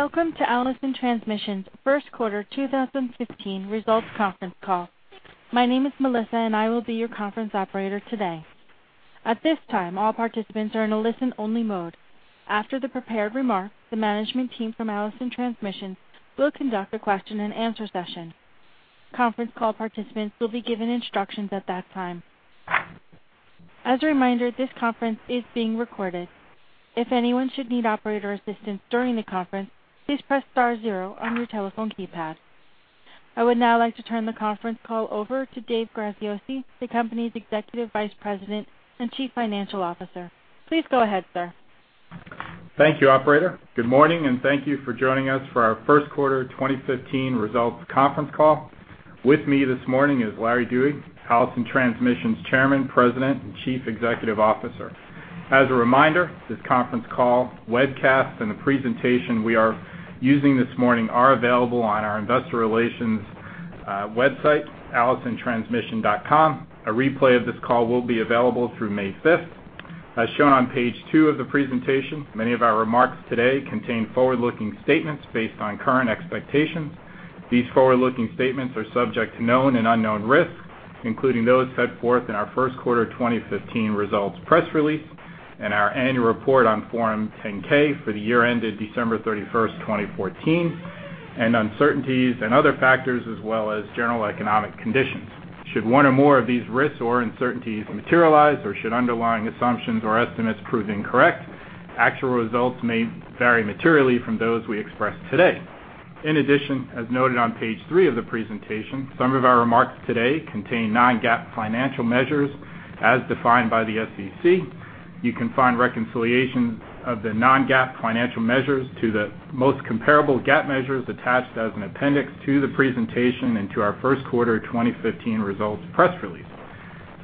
Welcome to Allison Transmission's first quarter 2015 results conference call. My name is Melissa, and I will be your conference operator today. At this time, all participants are in a listen-only mode. After the prepared remarks, the management team from Allison Transmission will conduct a question-and-answer session. Conference call participants will be given instructions at that time. As a reminder, this conference is being recorded. If anyone should need operator assistance during the conference, please press star zero on your telephone keypad. I would now like to turn the conference call over to Dave Graziosi, the company's Executive Vice President and Chief Financial Officer. Please go ahead, sir. Thank you, operator. Good morning, and thank you for joining us for our first quarter 2015 results conference call. With me this morning is Larry Dewey, Allison Transmission's Chairman, President, and Chief Executive Officer. As a reminder, this conference call, webcast, and the presentation we are using this morning are available on our investor relations website, allisontransmission.com. A replay of this call will be available through May 5. As shown on page 2 of the presentation, many of our remarks today contain forward-looking statements based on current expectations. These forward-looking statements are subject to known and unknown risks, including those set forth in our first quarter 2015 results press release and our annual report on Form 10-K for the year ended December 31, 2014, and uncertainties and other factors as well as general economic conditions. Should one or more of these risks or uncertainties materialize, or should underlying assumptions or estimates prove incorrect, actual results may vary materially from those we express today. In addition, as noted on page 3 of the presentation, some of our remarks today contain non-GAAP financial measures as defined by the SEC. You can find reconciliation of the non-GAAP financial measures to the most comparable GAAP measures attached as an appendix to the presentation and to our first quarter 2015 results press release.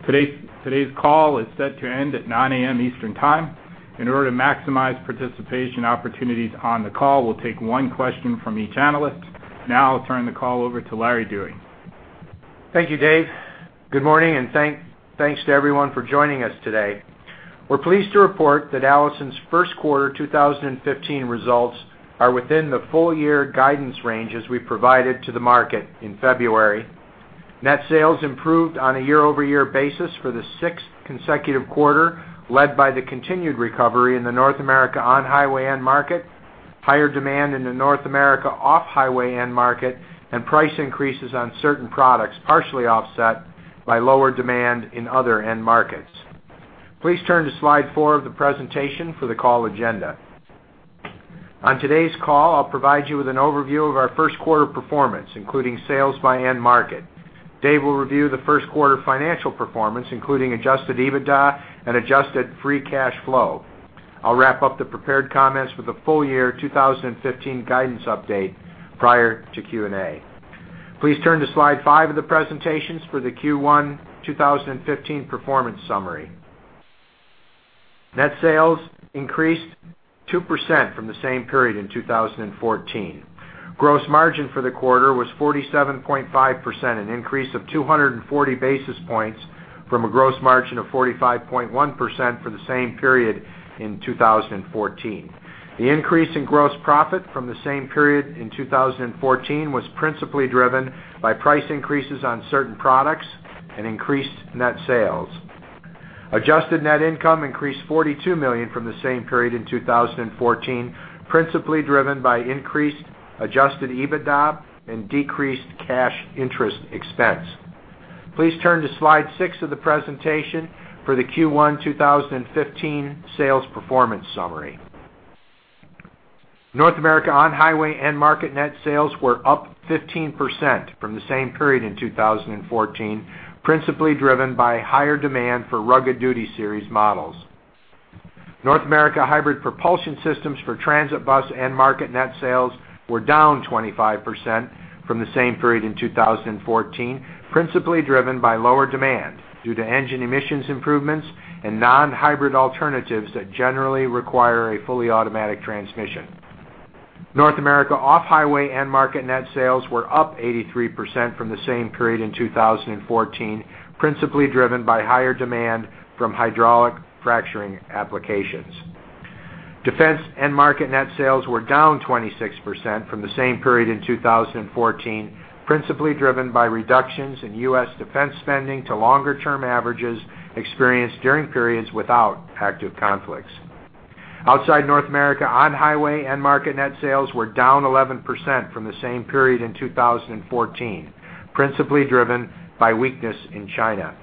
Today, today's call is set to end at 9:00 A.M. Eastern Time. In order to maximize participation opportunities on the call, we'll take one question from each analyst. Now I'll turn the call over to Larry Dewey. Thank you, Dave. Good morning, and thanks to everyone for joining us today. We're pleased to report that Allison's first quarter 2015 results are within the full year guidance ranges we provided to the market in February. Net sales improved on a year-over-year basis for the sixth consecutive quarter, led by the continued recovery in the North America on-highway end market, higher demand in the North America off-highway end market, and price increases on certain products, partially offset by lower demand in other end markets. Please turn to slide 4 of the presentation for the call agenda. On today's call, I'll provide you with an overview of our first quarter performance, including sales by end market. Dave will review the first quarter financial performance, including Adjusted EBITDA and Adjusted free cash flow. I'll wrap up the prepared comments with the full year 2015 guidance update prior to Q&A. Please turn to slide 5 of the presentations for the Q1 2015 performance summary. Net sales increased 2% from the same period in 2014. Gross margin for the quarter was 47.5%, an increase of 240 basis points from a gross margin of 45.1% for the same period in 2014. The increase in gross profit from the same period in 2014 was principally driven by price increases on certain products and increased net sales. Adjusted net income increased $42 million from the same period in 2014, principally driven by increased adjusted EBITDA and decreased cash interest expense. Please turn to slide 6 of the presentation for the Q1 2015 sales performance summary. North America on-highway end market net sales were up 15% from the same period in 2014, principally driven by higher demand for Rugged Duty Series models. North America hybrid propulsion systems for transit bus and market net sales were down 25% from the same period in 2014, principally driven by lower demand due to engine emissions improvements and non-hybrid alternatives that generally require a fully automatic transmission. North America off-highway end market net sales were up 83% from the same period in 2014, principally driven by higher demand from hydraulic fracturing applications. Defense end market net sales were down 26% from the same period in 2014, principally driven by reductions in U.S. defense spending to longer-term averages experienced during periods without active conflicts. Outside North America, on-highway end market net sales were down 11% from the same period in 2014, principally driven by weakness in China.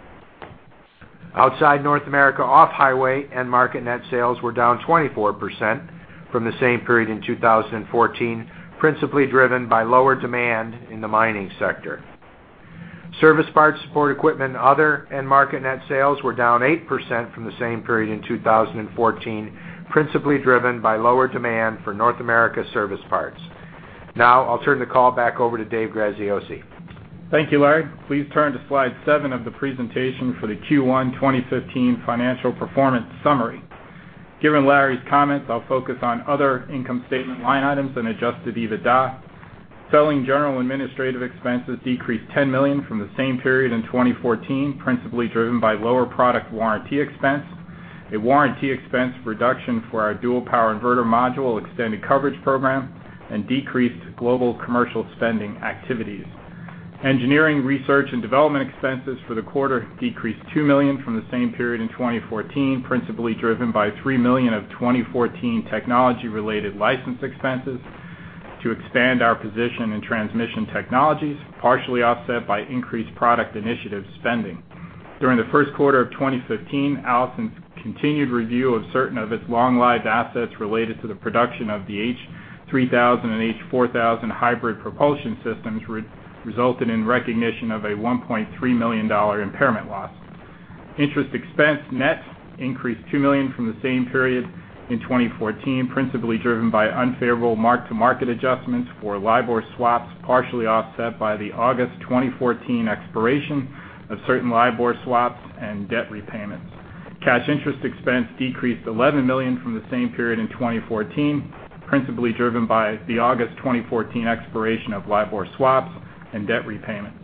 Outside North America, off-highway end market net sales were down 24% from the same period in 2014, principally driven by lower demand in the mining sector. Service parts, support equipment, and other end market net sales were down 8% from the same period in 2014, principally driven by lower demand for North America service parts. Now I'll turn the call back over to Dave Graziosi. Thank you, Larry. Please turn to slide 7 of the presentation for the Q1 2015 financial performance summary. Given Larry's comments, I'll focus on other income statement line items and adjusted EBITDA. Selling, general, and administrative expenses decreased $10 million from the same period in 2014, principally driven by lower product warranty expense, a warranty expense reduction for our Dual Power Inverter Module extended coverage program, and decreased global commercial spending activities. Engineering, research, and development expenses for the quarter decreased $2 million from the same period in 2014, principally driven by $3 million of 2014 technology-related license expenses to expand our position in transmission technologies, partially offset by increased product initiative spending. During the first quarter of 2015, Allison's continued review of certain of its long-lived assets related to the production of the H 3000 and H 4000 hybrid propulsion systems resulted in recognition of a $1.3 million impairment loss. Interest expense net increased $2 million from the same period in 2014, principally driven by unfavorable mark-to-market adjustments for LIBOR swaps, partially offset by the August 2014 expiration of certain LIBOR swaps and debt repayments. Cash interest expense decreased $11 million from the same period in 2014, principally driven by the August 2014 expiration of LIBOR swaps and debt repayments.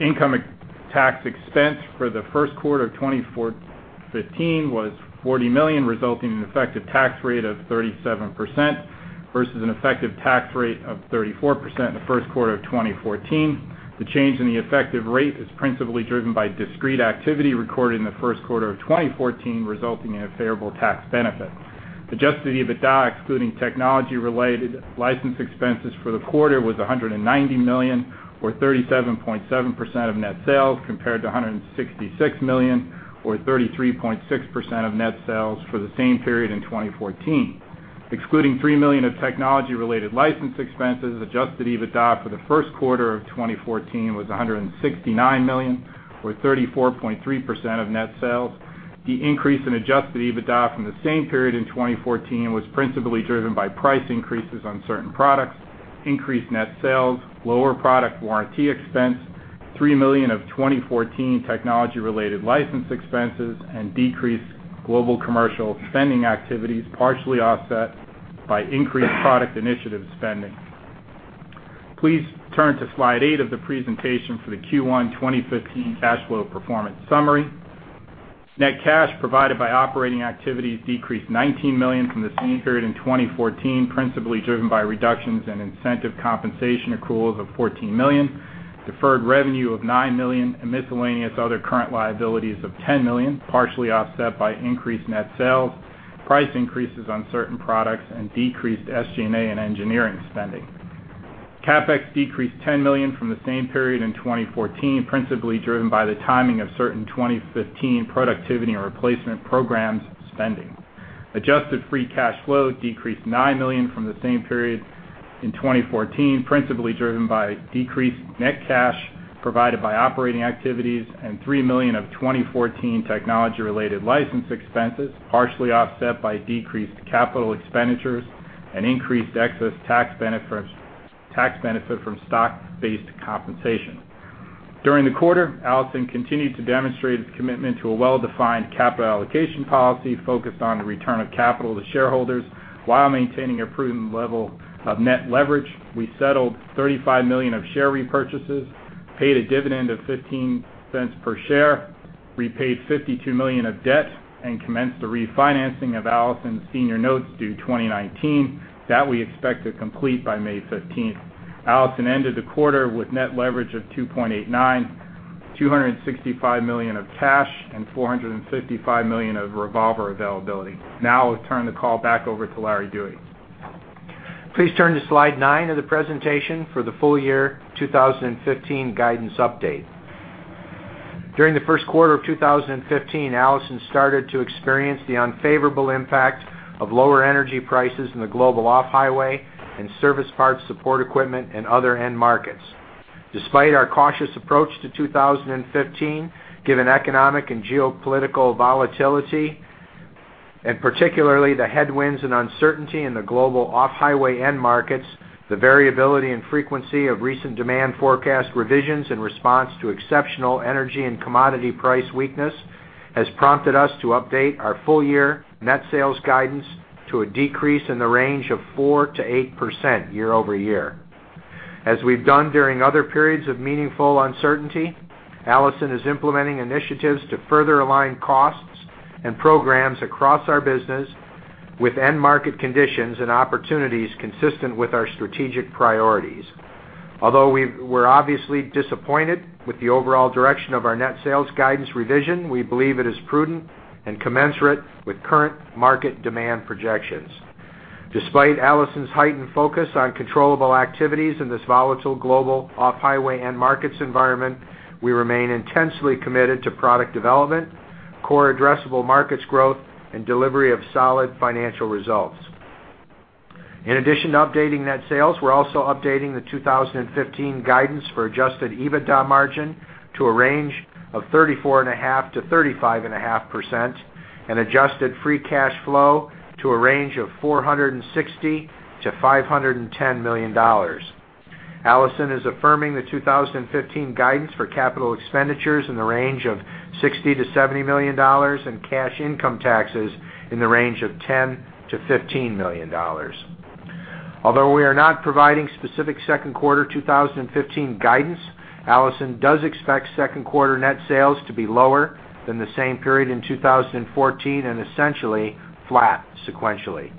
Income tax expense for the first quarter of 2015 was $40 million, resulting in an effective tax rate of 37% versus an effective tax rate of 34% in the first quarter of 2014. The change in the effective rate is principally driven by discrete activity recorded in the first quarter of 2014, resulting in a favorable tax benefit. Adjusted EBITDA, excluding technology-related license expenses for the quarter, was $190 million, or 37.7% of net sales, compared to $166 million, or 33.6% of net sales for the same period in 2014. Excluding $3 million of technology-related license expenses, adjusted EBITDA for the first quarter of 2014 was $169 million, or 34.3% of net sales. The increase in adjusted EBITDA from the same period in 2014 was principally driven by price increases on certain products, increased net sales, lower product warranty expense, $3 million of 2014 technology-related license expenses, and decreased global commercial spending activities, partially offset by increased product initiative spending. Please turn to Slide 8 of the presentation for the Q1 2015 cash flow performance summary. Net cash provided by operating activities decreased $19 million from the same period in 2014, principally driven by reductions in incentive compensation accruals of $14 million, deferred revenue of $9 million, and miscellaneous other current liabilities of $10 million, partially offset by increased net sales, price increases on certain products, and decreased SG&A and engineering spending. CapEx decreased $10 million from the same period in 2014, principally driven by the timing of certain 2015 productivity and replacement programs spending. Adjusted free cash flow decreased $9 million from the same period in 2014, principally driven by decreased net cash provided by operating activities and $3 million of 2014 technology-related license expenses, partially offset by decreased capital expenditures and increased excess tax benefit, tax benefit from stock-based compensation. During the quarter, Allison continued to demonstrate its commitment to a well-defined capital allocation policy focused on the return of capital to shareholders while maintaining a prudent level of net leverage. We settled $35 million of share repurchases, paid a dividend of $0.15 per share, repaid $52 million of debt, and commenced the refinancing of Allison's senior notes due 2019, that we expect to complete by May 15. Allison ended the quarter with net leverage of 2.89, $265 million of cash, and $455 million of revolver availability. Now I'll turn the call back over to Larry Dewey. Please turn to Slide 9 of the presentation for the full year 2015 guidance update. During the first quarter of 2015, Allison started to experience the unfavorable impact of lower energy prices in the global off-highway and service parts, support equipment, and other end markets. Despite our cautious approach to 2015, given economic and geopolitical volatility, and particularly the headwinds and uncertainty in the global off-highway end markets, the variability and frequency of recent demand forecast revisions in response to exceptional energy and commodity price weakness has prompted us to update our full year net sales guidance to a decrease in the range of 4%-8% year-over-year. As we've done during other periods of meaningful uncertainty, Allison is implementing initiatives to further align costs and programs across our business with end market conditions and opportunities consistent with our strategic priorities. Although we're obviously disappointed with the overall direction of our net sales guidance revision, we believe it is prudent and commensurate with current market demand projections. Despite Allison's heightened focus on controllable activities in this volatile global off-highway end markets environment, we remain intensely committed to product development, core addressable markets growth, and delivery of solid financial results. In addition to updating net sales, we're also updating the 2015 guidance for Adjusted EBITDA margin to a range of 34.5%-35.5% and Adjusted free cash flow to a range of $460 million-$510 million. Allison is affirming the 2015 guidance for capital expenditures in the range of $60 million-$70 million, and cash income taxes in the range of $10 million-$15 million. Although we are not providing specific second quarter 2015 guidance, Allison does expect second quarter net sales to be lower than the same period in 2014, and essentially flat sequentially.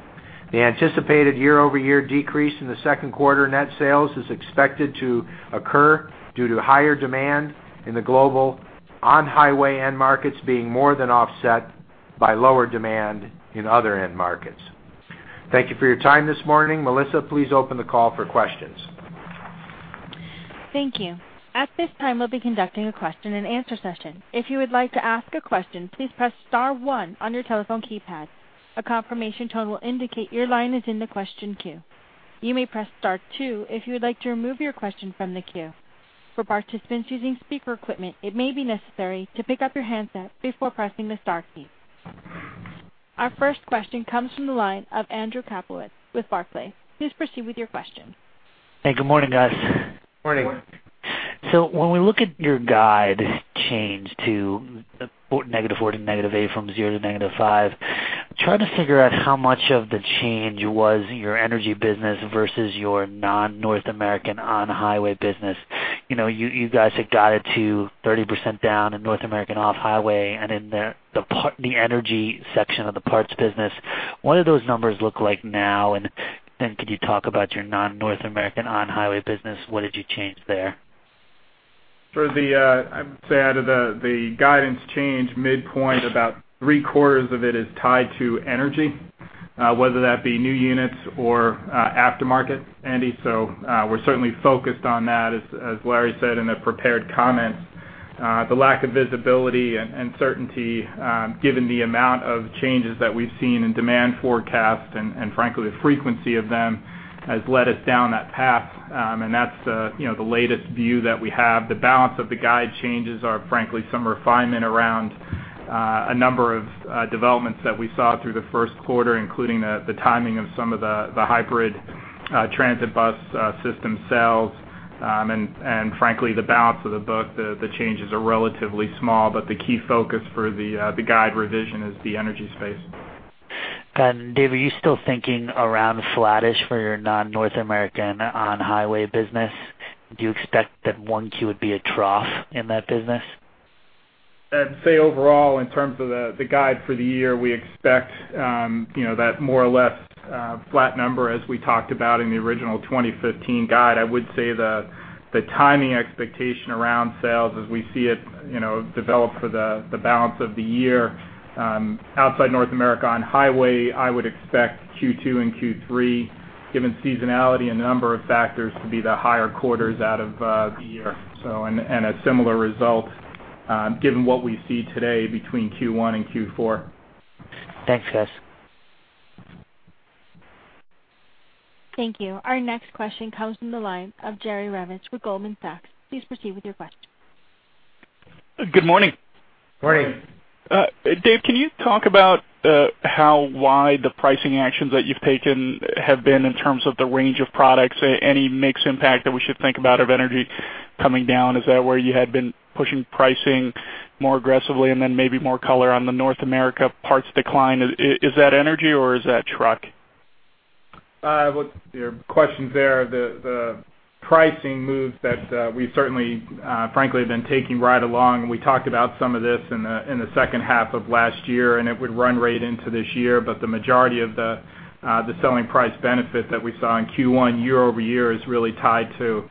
The anticipated year-over-year decrease in the second quarter net sales is expected to occur due to higher demand in the global on-highway end markets being more than offset by lower demand in other end markets. Thank you for your time this morning. Melissa, please open the call for questions. Thank you. At this time, we'll be conducting a question-and-answer session. If you would like to ask a question, please press star one on your telephone keypad. A confirmation tone will indicate your line is in the question queue. You may press star two if you would like to remove your question from the queue. For participants using speaker equipment, it may be necessary to pick up your handset before pressing the star key. Our first question comes from the line of Andrew Kaplowitz with Barclays. Please proceed with your question. Hey, good morning, guys. Morning. So when we look at your guide change to -4 to -8 from 0 to -5, trying to figure out how much of the change was your energy business versus your non-North American on-highway business. You know, you, you guys have guided to 30% down in North American off-highway and in the, the parts, the energy section of the parts business. What do those numbers look like now? And, and could you talk about your non-North American on-highway business? What did you change there? For the, I would say, out of the guidance change midpoint, about three quarters of it is tied to energy, whether that be new units or aftermarket, Andy. So, we're certainly focused on that. As Larry said in the prepared comments, the lack of visibility and certainty, given the amount of changes that we've seen in demand forecast, and frankly, the frequency of them, has led us down that path. And that's, you know, the latest view that we have. The balance of the guide changes are, frankly, some refinement around a number of developments that we saw through the first quarter, including the timing of some of the hybrid transit bus system sales. And frankly, the balance of the book, the changes are relatively small, but the key focus for the guide revision is the energy space. Dave, are you still thinking around flattish for your non-North American on-highway business? Do you expect that 1Q would be a trough in that business? I'd say overall, in terms of the guide for the year, we expect, you know, that more or less flat number as we talked about in the original 2015 guide. I would say the timing expectation around sales as we see it, you know, develop for the balance of the year, outside North America on-highway, I would expect Q2 and Q3, given seasonality and a number of factors, to be the higher quarters out of the year. So, and a similar result, given what we see today between Q1 and Q4. Thanks, guys. Thank you. Our next question comes from the line of Jerry Revich with Goldman Sachs. Please proceed with your question. Good morning. Morning. Dave, can you talk about how wide the pricing actions that you've taken have been in terms of the range of products? Any mix impact that we should think about of energy coming down, is that where you had been pushing pricing more aggressively? And then maybe more color on the North America parts decline. Is that energy or is that truck? Well, your questions there, the pricing moves that we certainly, frankly, have been taking right along, and we talked about some of this in the second half of last year, and it would run right into this year, but the majority of the selling price benefit that we saw in Q1 year-over-year is really tied to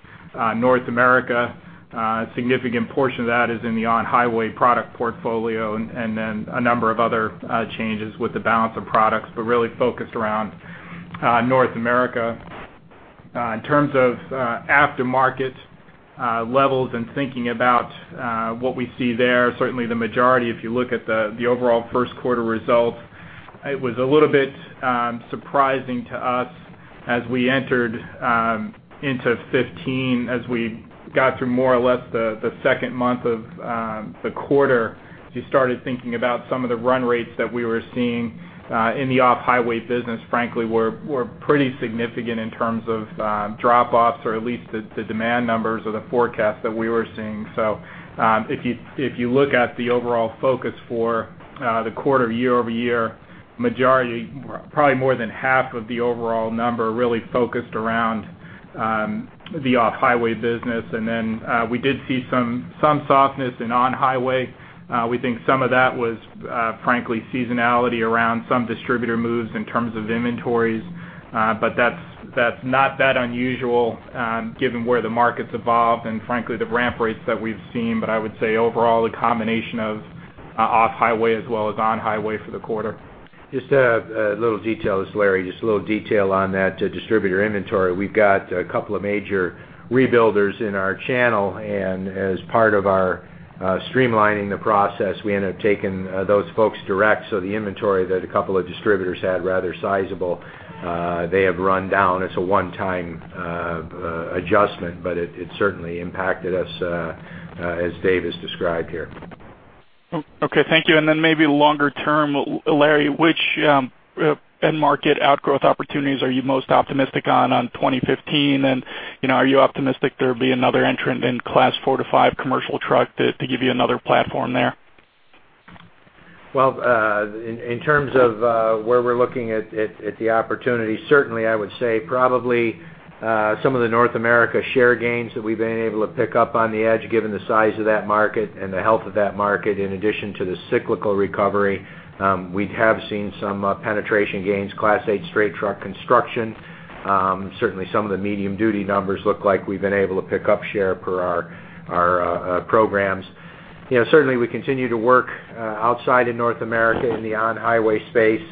North America. A significant portion of that is in the on-highway product portfolio and then a number of other changes with the balance of products, but really focused around North America. In terms of aftermarket levels and thinking about what we see there, certainly the majority, if you look at the overall first quarter results, it was a little bit surprising to us as we entered into 2015, as we got through more or less the second month of the quarter. As you started thinking about some of the run rates that we were seeing in the off-highway business, frankly, were pretty significant in terms of drop-offs, or at least the demand numbers or the forecast that we were seeing. So, if you look at the overall focus for the quarter year-over-year, majority, probably more than half of the overall number, really focused around the off-highway business. And then, we did see some softness in on-highway. We think some of that was frankly seasonality around some distributor moves in terms of inventories. But that's not that unusual given where the market's evolved and frankly the ramp rates that we've seen. But I would say overall a combination of off-highway as well as on-highway for the quarter. Just a little detail, this is Larry. Just a little detail on that distributor inventory. We've got a couple of major rebuilders in our channel, and as part of our streamlining the process, we end up taking those folks direct. So the inventory that a couple of distributors had, rather sizable, they have run down. It's a one-time adjustment, but it, it certainly impacted us, as Dave has described here. ... Okay, thank you. And then maybe longer term, Larry, which end market outgrowth opportunities are you most optimistic on, on 2015? And, you know, are you optimistic there will be another entrant in Class 4-5 commercial truck to give you another platform there? Well, in terms of where we're looking at the opportunities, certainly I would say probably some of the North America share gains that we've been able to pick up on-highway, given the size of that market and the health of that market, in addition to the cyclical recovery, we have seen some penetration gains, Class 8 straight truck construction. Certainly some of the medium duty numbers look like we've been able to pick up share per our programs. You know, certainly we continue to work outside of North America in the on-highway space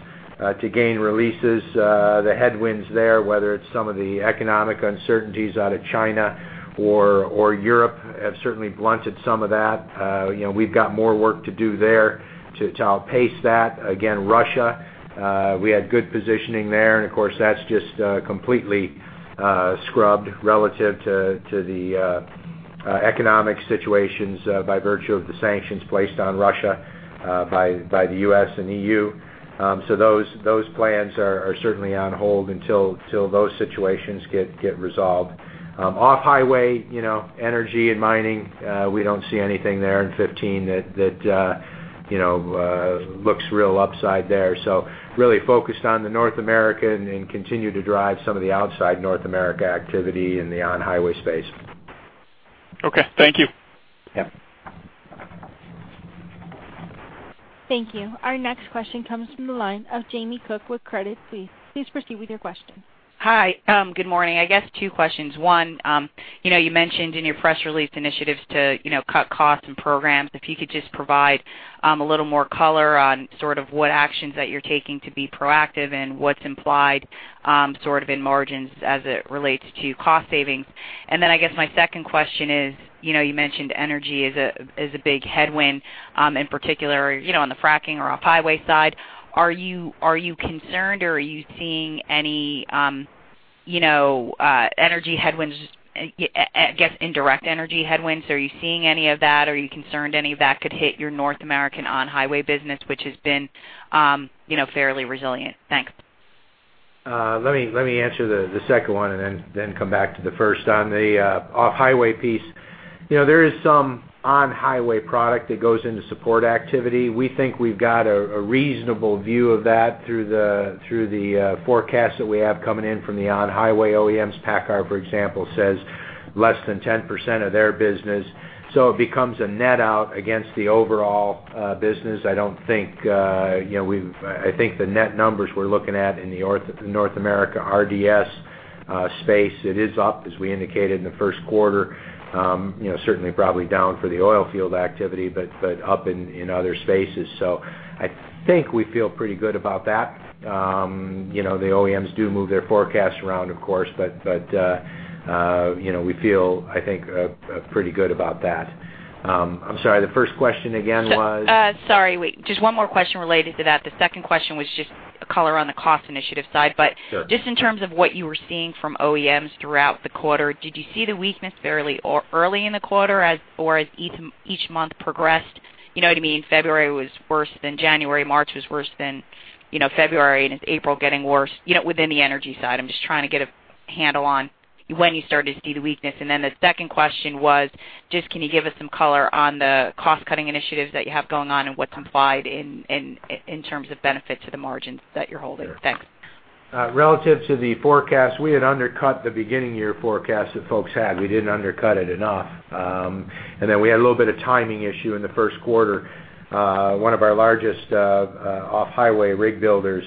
to gain releases. The headwinds there, whether it's some of the economic uncertainties out of China or Europe, have certainly blunted some of that. You know, we've got more work to do there to outpace that. Again, Russia, we had good positioning there, and of course, that's just completely scrubbed relative to the economic situations by virtue of the sanctions placed on Russia by the US and EU. So those plans are certainly on hold until those situations get resolved. Off-highway, you know, energy and mining, we don't see anything there in 2015 that you know looks real upside there. So really focused on the North American and continue to drive some of the outside North America activity in the on-highway space. Okay, thank you. Yeah. Thank you. Our next question comes from the line of Jamie Cook with Credit Suisse. Please proceed with your question. Hi, good morning. I guess two questions. One, you know, you mentioned in your press release initiatives to, you know, cut costs and programs, if you could just provide, a little more color on sort of what actions that you're taking to be proactive and what's implied, sort of in margins as it relates to cost savings. And then I guess my second question is, you know, you mentioned energy is a, is a big headwind, in particular, you know, on the fracking or off-highway side. Are you, are you concerned or are you seeing any, you know, energy headwinds, I guess, indirect energy headwinds? Are you seeing any of that? Are you concerned any of that could hit your North American on-highway business, which has been, you know, fairly resilient? Thanks. Let me answer the second one and then come back to the first. On the off-highway piece, you know, there is some on-highway product that goes into support activity. We think we've got a reasonable view of that through the forecast that we have coming in from the on-highway OEMs. PACCAR, for example, says less than 10% of their business, so it becomes a net out against the overall business. I don't think, you know, we've, I think the net numbers we're looking at in the North America RDS space, it is up, as we indicated in the first quarter, you know, certainly probably down for the oil field activity, but up in other spaces. So I think we feel pretty good about that. You know, the OEMs do move their forecasts around, of course, but you know, we feel, I think, pretty good about that. I'm sorry, the first question again was? Sorry, wait, just one more question related to that. The second question was just color on the cost initiative side. Sure. But just in terms of what you were seeing from OEMs throughout the quarter, did you see the weakness fairly early in the quarter, or as each month progressed? You know what I mean? February was worse than January, March was worse than, you know, February, and it's April getting worse. You know, within the energy side, I'm just trying to get a handle on when you started to see the weakness. And then the second question was, just, can you give us some color on the cost-cutting initiatives that you have going on and what's implied in terms of benefit to the margins that you're holding? Sure. Thanks. Relative to the forecast, we had undercut the beginning year forecast that folks had. We didn't undercut it enough. And then we had a little bit of timing issue in the first quarter. One of our largest, off-highway rig builders,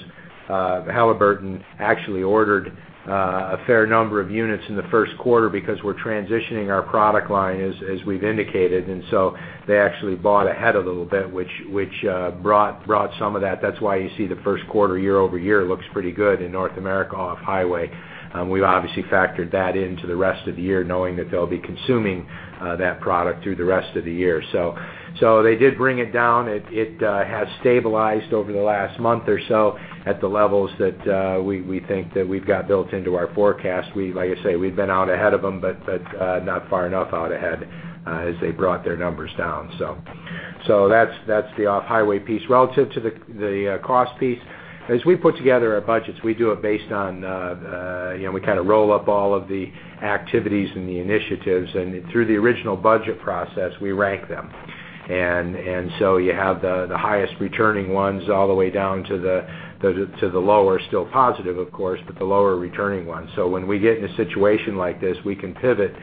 Halliburton, actually ordered a fair number of units in the first quarter because we're transitioning our product line, as we've indicated, and so they actually bought ahead a little bit, which brought some of that. That's why you see the first quarter, year over year, looks pretty good in North America off-highway. We've obviously factored that into the rest of the year, knowing that they'll be consuming that product through the rest of the year. So, they did bring it down. It has stabilized over the last month or so at the levels that we think that we've got built into our forecast. We, like I say, we've been out ahead of them, but not far enough out ahead as they brought their numbers down. So that's the off-highway piece. Relative to the cost piece, as we put together our budgets, we do it based on you know, we kind of roll up all of the activities and the initiatives, and through the original budget process, we rank them. So you have the highest returning ones all the way down to the lower, still positive, of course, but the lower returning ones. So when we get in a situation like this, we can pivot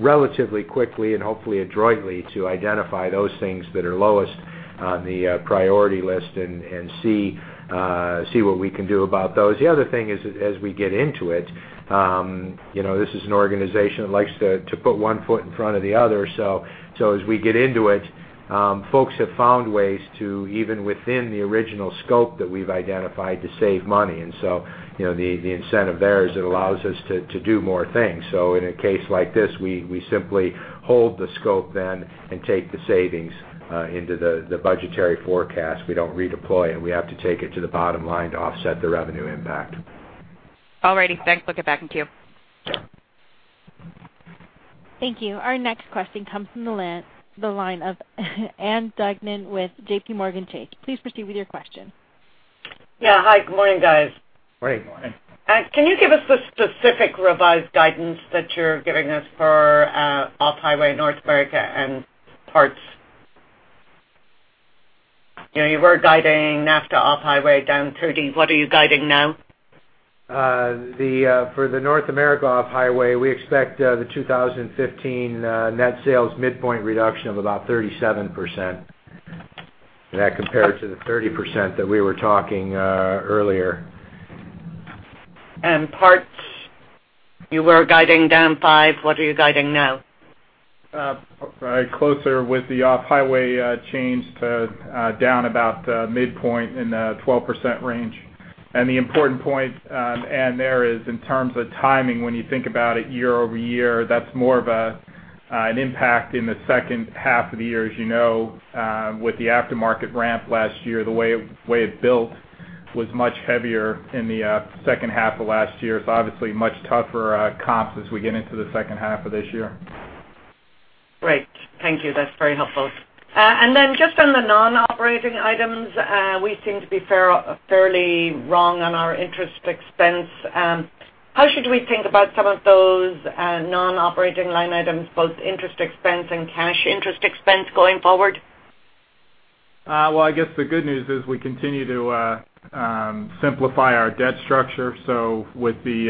relatively quickly and hopefully adroitly to identify those things that are lowest on the priority list and see what we can do about those. The other thing is, as we get into it, you know, this is an organization that likes to put one foot in front of the other. So as we get into it, folks have found ways to, even within the original scope that we've identified, to save money. And so, you know, the incentive there is it allows us to do more things. So in a case like this, we simply hold the scope then and take the savings into the budgetary forecast. We don't redeploy it. We have to take it to the bottom line to offset the revenue impact. All righty. Thanks. We'll get back in queue. Sure. Thank you. Our next question comes from the line of Ann Duignan with JPMorgan Chase. Please proceed with your question. Yeah. Hi, good morning, guys. Great, morning. Can you give us the specific revised guidance that you're giving us for off-highway North America and parts? You know, you were guiding NAFTA off-highway down 30. What are you guiding now? For the North America off-highway, we expect the 2015 net sales midpoint reduction of about 37%. That compared to the 30% that we were talking earlier. Parts, you were guiding down 5. What are you guiding now? Closer with the off-highway change to down about midpoint in the 12% range. And the important point, and there is in terms of timing, when you think about it year-over-year, that's more of an impact in the second half of the year. As you know, with the aftermarket ramp last year, the way it built was much heavier in the second half of last year. It's obviously much tougher comps as we get into the second half of this year. Great, thank you. That's very helpful. And then just on the non-operating items, we seem to be fairly wrong on our interest expense. How should we think about some of those non-operating line items, both interest expense and cash interest expense going forward? Well, I guess the good news is we continue to simplify our debt structure. With the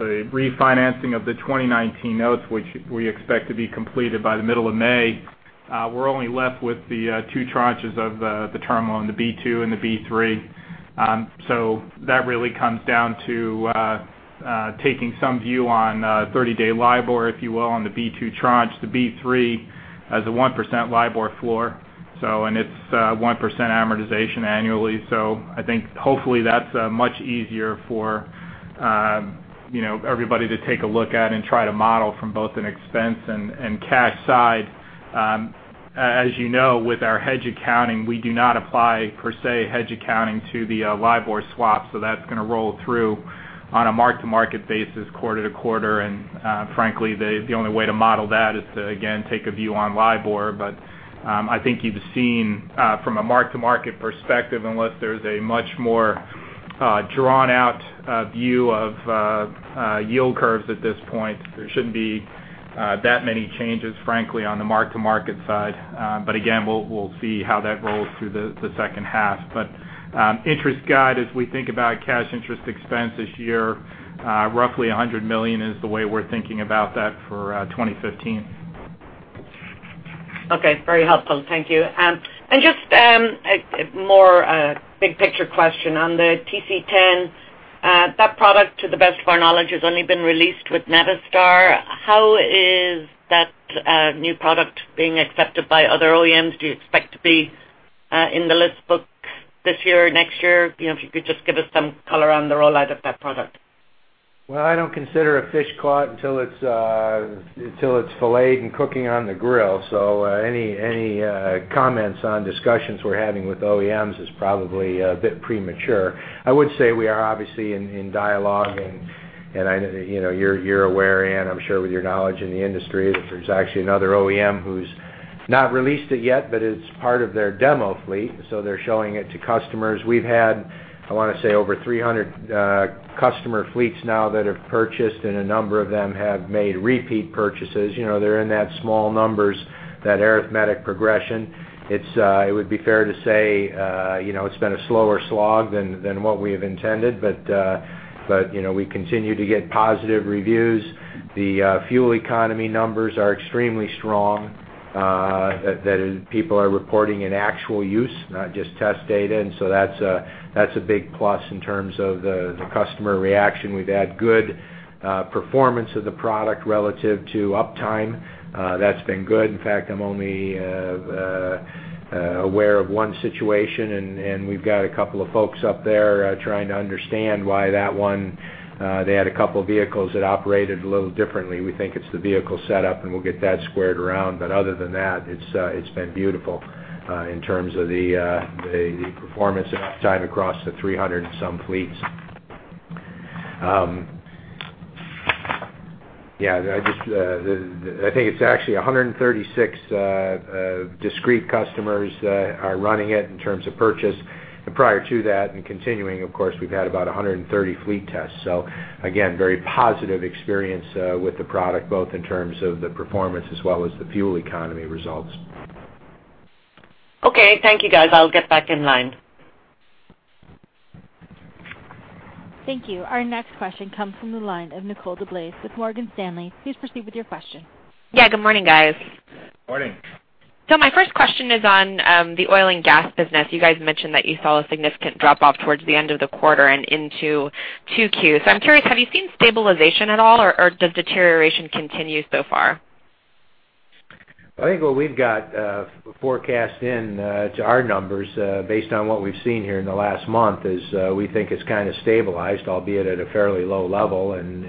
refinancing of the 2019 notes, which we expect to be completed by the middle of May, we're only left with the 2 tranches of the term loan, the B2 and the B3. So that really comes down to taking some view on 30-day LIBOR, if you will, on the B2 tranche. The B3 has a 1% LIBOR floor, so, and it's 1% amortization annually. So I think hopefully that's much easier for, you know, everybody to take a look at and try to model from both an expense and cash side. As you know, with our hedge accounting, we do not apply, per se, hedge accounting to the LIBOR swap. So that's going to roll through on a mark-to-market basis, quarter to quarter. And, frankly, the only way to model that is to, again, take a view on LIBOR. But, I think you've seen, from a mark-to-market perspective, unless there's a much more, drawn out, view of yield curves at this point, there shouldn't be that many changes, frankly, on the mark-to-market side. But again, we'll see how that rolls through the second half. But, interest guide, as we think about cash interest expense this year, roughly $100 million is the way we're thinking about that for 2015. Okay, very helpful. Thank you. And just a more big picture question on the TC10. That product, to the best of our knowledge, has only been released with Navistar. How is that new product being accepted by other OEMs? Do you expect to be in the list book this year or next year? You know, if you could just give us some color on the rollout of that product. Well, I don't consider a fish caught until it's filleted and cooking on the grill. So, any comments on discussions we're having with OEMs is probably a bit premature. I would say we are obviously in dialogue, and I know, you know, you're aware, Anne, I'm sure with your knowledge in the industry, that there's actually another OEM who's not released it yet, but it's part of their demo fleet, so they're showing it to customers. We've had, I want to say, over 300 customer fleets now that have purchased, and a number of them have made repeat purchases. You know, they're in that small numbers, that arithmetic progression. It would be fair to say, you know, it's been a slower slog than what we have intended, but, you know, we continue to get positive reviews. The fuel economy numbers are extremely strong, that people are reporting in actual use, not just test data. And so that's a big plus in terms of the customer reaction. We've had good performance of the product relative to uptime. That's been good. In fact, I'm only aware of one situation, and we've got a couple of folks up there trying to understand why that one, they had a couple of vehicles that operated a little differently. We think it's the vehicle setup, and we'll get that squared around. But other than that, it's been beautiful in terms of the performance and uptime across the 300 and some fleets. Yeah, I just, I think it's actually 136 discrete customers are running it in terms of purchase. And prior to that, and continuing, of course, we've had about 130 fleet tests. So again, very positive experience with the product, both in terms of the performance as well as the fuel economy results. Okay. Thank you, guys. I'll get back in line. Thank you. Our next question comes from the line of Nicole DeBlase with Morgan Stanley. Please proceed with your question. Yeah, good morning, guys. Morning. My first question is on the oil and gas business. You guys mentioned that you saw a significant drop-off towards the end of the quarter and into 2Q. I'm curious, have you seen stabilization at all, or, or does deterioration continue so far? I think what we've got forecast in to our numbers based on what we've seen here in the last month, is we think it's kind of stabilized, albeit at a fairly low level. And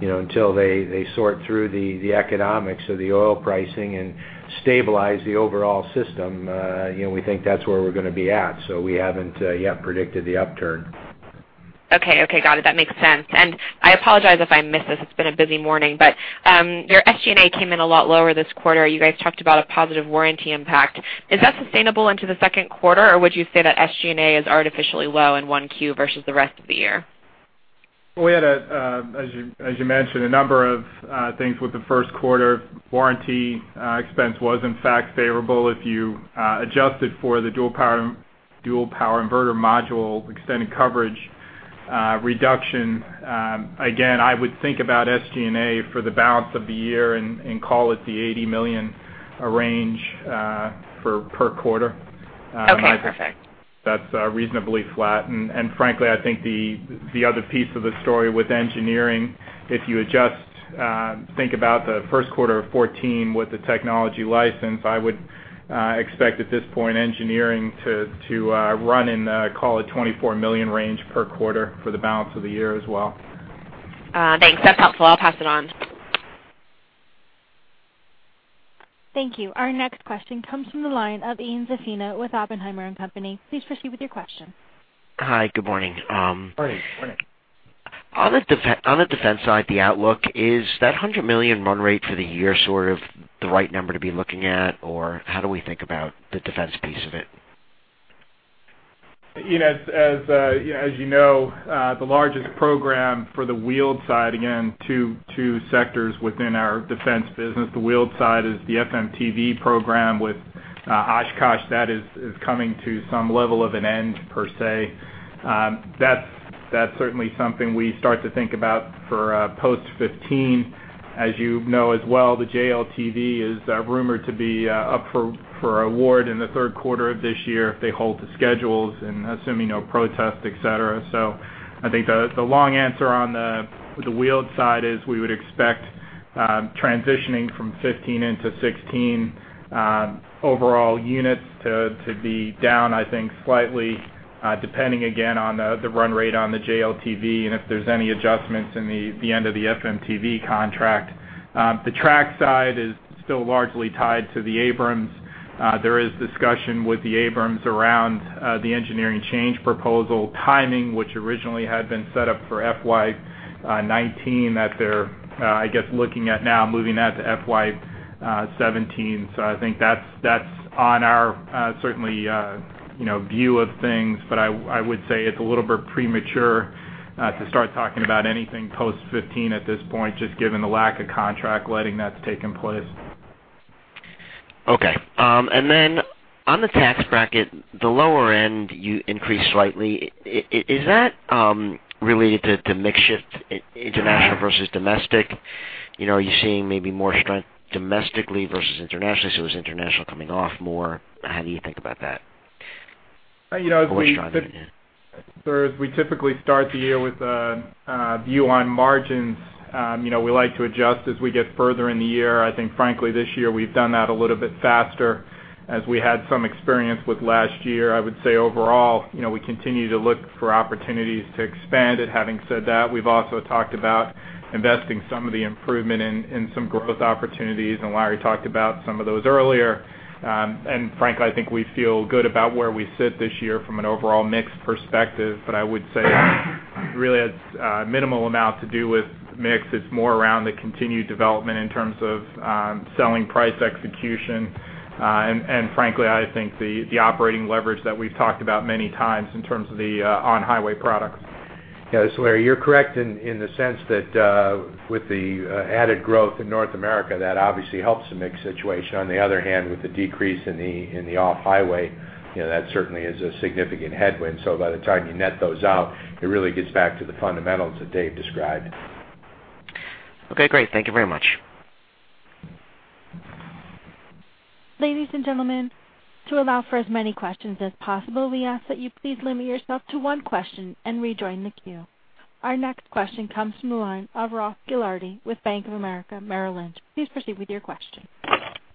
you know, until they sort through the economics of the oil pricing and stabilize the overall system, you know, we think that's where we're going to be at. So we haven't yet predicted the upturn. Okay, okay, got it. That makes sense. And I apologize if I missed this. It's been a busy morning, but your SG&A came in a lot lower this quarter. You guys talked about a positive warranty impact. Is that sustainable into the second quarter, or would you say that SG&A is artificially low in 1Q versus the rest of the year? Well, we had a, as you, as you mentioned, a number of things with the first quarter. Warranty expense was, in fact, favorable. If you adjusted for the Dual Power Inverter Module extended coverage reduction, again, I would think about SG&A for the balance of the year and call it the $80 million range per quarter. Okay, perfect. That's reasonably flat. And frankly, I think the other piece of the story with engineering, if you adjust, think about the first quarter of 2014 with the technology license, I would expect at this point, engineering to run in, call it $24 million range per quarter for the balance of the year as well. Thanks. That's helpful. I'll pass it on. Thank you. Our next question comes from the line of Ian Zaffino with Oppenheimer and Company. Please proceed with your question. Hi, good morning. Morning, morning. On the defense side, the outlook, is that $100 million run rate for the year, sort of the right number to be looking at, or how do we think about the defense piece of it? You know, as you know, the largest program for the wheeled side, again, two sectors within our defense business. The wheeled side is the FMTV program with Oshkosh. That is coming to some level of an end, per se. That's certainly something we start to think about for post 15. As you know as well, the JLTV is rumored to be up for award in the third quarter of this year, if they hold to schedules and assuming no protest, et cetera. So I think the long answer on the wheeled side is we would expect transitioning from 2015 into 2016 overall units to be down, I think, slightly, depending again on the run rate on the JLTV, and if there's any adjustments in the end of the FMTV contract. The track side is still largely tied to the Abrams. There is discussion with the Abrams around the engineering change proposal timing, which originally had been set up for FY 2019, that they're, I guess, looking at now, moving that to FY 2017. So I think that's on our certainly you know view of things, but I would say it's a little bit premature to start talking about anything post 15 at this point, just given the lack of contract letting that's taken place. Okay. And then on the tax bracket, the lower end, you increased slightly. Is that related to mix shift, international versus domestic? You know, are you seeing maybe more strength domestically versus internationally, so is international coming off more? How do you think about that? You know, as we- Or which one? Sir, as we typically start the year with a view on margins, you know, we like to adjust as we get further in the year. I think frankly, this year, we've done that a little bit faster as we had some experience with last year. I would say overall, you know, we continue to look for opportunities to expand. And having said that, we've also talked about investing some of the improvement in some growth opportunities, and Larry talked about some of those earlier. And frankly, I think we feel good about where we sit this year from an overall mix perspective, but I would say, really it's minimal amount to do with mix. It's more around the continued development in terms of selling price execution, and frankly, I think the operating leverage that we've talked about many times in terms of the on-highway products. Yes, Larry, you're correct in, in the sense that, with the added growth in North America, that obviously helps the mix situation. On the other hand, with the decrease in the, in the off-highway, you know, that certainly is a significant headwind. So by the time you net those out, it really gets back to the fundamentals that Dave described. Okay, great. Thank you very much. Ladies and gentlemen, to allow for as many questions as possible, we ask that you please limit yourself to one question and rejoin the queue. Our next question comes from the line of Ross Gilardi with Bank of America Merrill Lynch. Please proceed with your question.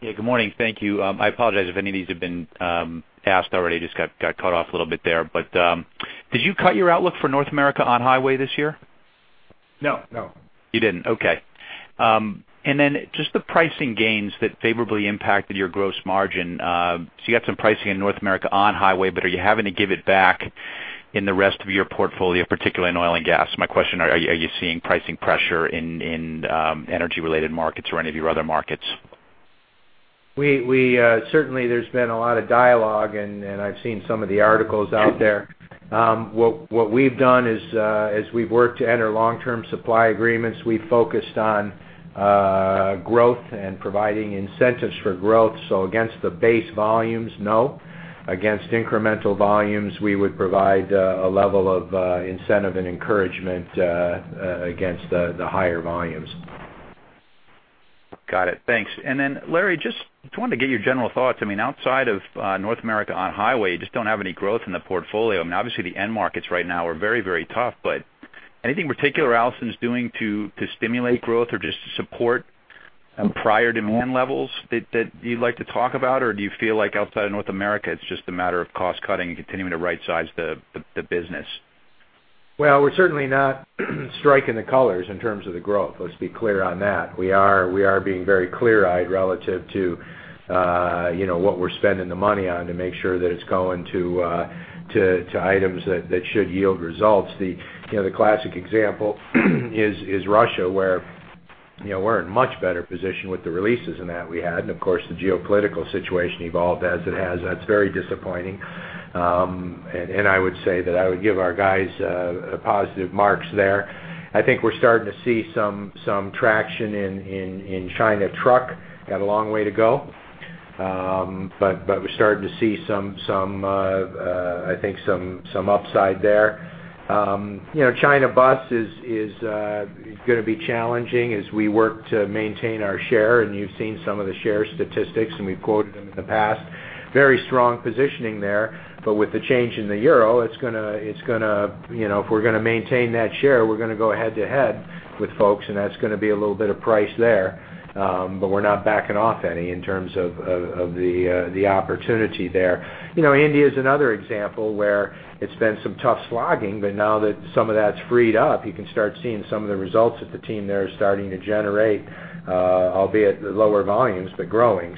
Yeah, good morning. Thank you. I apologize if any of these have been asked already. Just got cut off a little bit there, but did you cut your outlook for North America on-highway this year? No, no. You didn't. Okay. And then just the pricing gains that favorably impacted your gross margin. So you got some pricing in North America on-highway, but are you having to give it back in the rest of your portfolio, particularly in oil and gas? My question, are you seeing pricing pressure in energy-related markets or any of your other markets? We certainly there's been a lot of dialogue, and I've seen some of the articles out there. What we've done is, as we've worked to enter long-term supply agreements, we've focused on growth and providing incentives for growth. So against the base volumes, no. Against incremental volumes, we would provide a level of incentive and encouragement against the higher volumes. Got it, thanks. And then, Larry, just wanted to get your general thoughts. I mean, outside of North America on-highway, you just don't have any growth in the portfolio. I mean, obviously, the end markets right now are very, very tough, but anything particular Allison is doing to stimulate growth or just to support prior demand levels that you'd like to talk about? Or do you feel like outside of North America, it's just a matter of cost-cutting and continuing to right-size the business? Well, we're certainly not striking the colors in terms of the growth. Let's be clear on that. We are, we are being very clear-eyed relative to, you know, what we're spending the money on to make sure that it's going to, to items that, that should yield results. You know, the classic example is Russia, where-... You know, we're in much better position with the releases in that we had, and of course, the geopolitical situation evolved as it has. That's very disappointing. And I would say that I would give our guys a positive marks there. I think we're starting to see some traction in China truck. Got a long way to go, but we're starting to see some, I think some upside there. You know, China bus is gonna be challenging as we work to maintain our share, and you've seen some of the share statistics, and we've quoted them in the past. Very strong positioning there, but with the change in the euro, it's gonna, it's gonna, you know, if we're gonna maintain that share, we're gonna go head to head with folks, and that's gonna be a little bit of price there. But we're not backing off any in terms of, of, of the, the opportunity there. You know, India is another example where it's been some tough slogging, but now that some of that's freed up, you can start seeing some of the results that the team there is starting to generate, albeit lower volumes, but growing.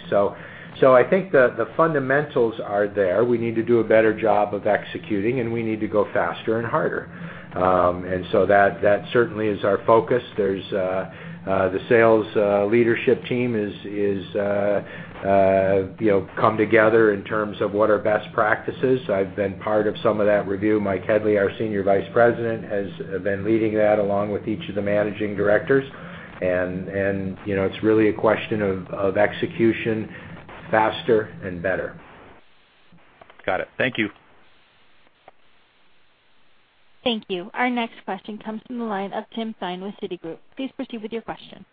I think the, the fundamentals are there. We need to do a better job of executing, and we need to go faster and harder. And so that certainly is our focus. There's the sales leadership team, you know, come together in terms of what are best practices. I've been part of some of that review. Mike Headly, our Senior Vice President, has been leading that along with each of the managing directors. And you know, it's really a question of execution, faster and better. Got it. Thank you. Thank you. Our next question comes from the line of Tim Thein with Citigroup. Please proceed with your question.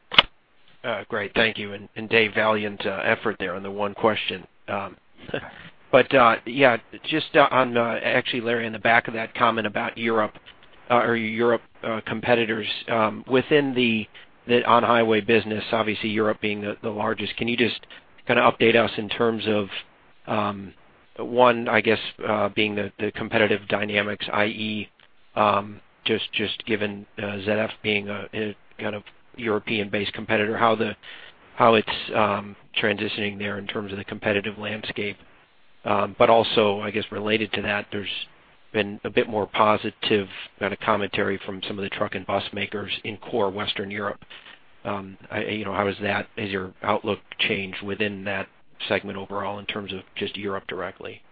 Great. Thank you. And Dave, valiant effort there on the one question. But yeah, just on actually, Larry, in the back of that comment about European competitors within the on-highway business, obviously, Europe being the largest, can you just kind of update us in terms of one, I guess, being the competitive dynamics, i.e., just given ZF being a kind of European-based competitor, how it's transitioning there in terms of the competitive landscape? But also, I guess, related to that, there's been a bit more positive kind of commentary from some of the truck and bus makers in core Western Europe. I, you know, how is that? Has your outlook changed within that segment overall in terms of just Europe directly?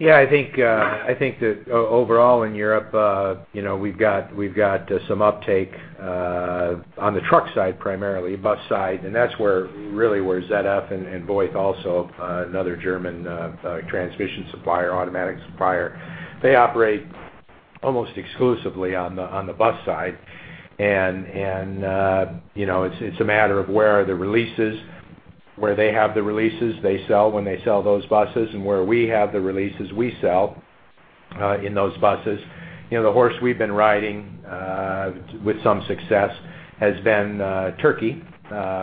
Yeah, I think, I think that overall in Europe, you know, we've got, we've got some uptake on the truck side, primarily, bus side, and that's where really where ZF and Voith also, another German transmission supplier, automatic supplier. They operate almost exclusively on the bus side. And, you know, it's a matter of where are the releases, where they have the releases, they sell when they sell those buses, and where we have the releases we sell in those buses. You know, the horse we've been riding with some success has been Turkey.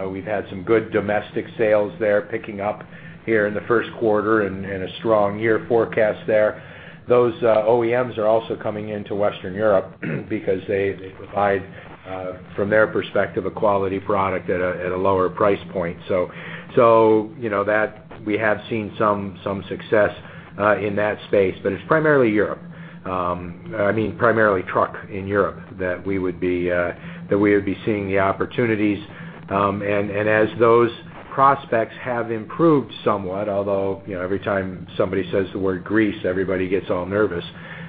We've had some good domestic sales there, picking up here in the first quarter and a strong year forecast there. Those, OEMs are also coming into Western Europe because they provide, from their perspective, a quality product at a lower price point. So, you know, that we have seen some success in that space, but it's primarily Europe. I mean, primarily truck in Europe, that we would be seeing the opportunities. And as those prospects have improved somewhat, although, you know, every time somebody says the word Greece, everybody gets all nervous.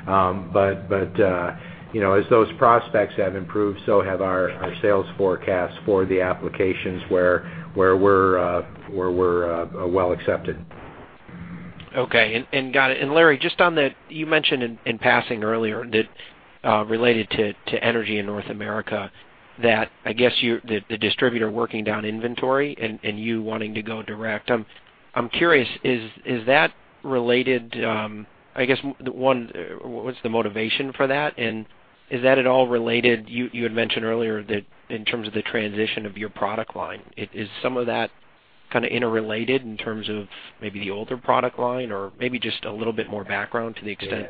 But, you know, as those prospects have improved, so have our sales forecasts for the applications where we're well accepted. Okay, got it. And Larry, just on the... You mentioned in passing earlier that, related to energy in North America, that, I guess, you - the distributor working down inventory and you wanting to go direct. I'm curious, is that related, I guess, one, what's the motivation for that? And is that at all related, you had mentioned earlier that in terms of the transition of your product line, is some of that kind of interrelated in terms of maybe the older product line or maybe just a little bit more background to the extent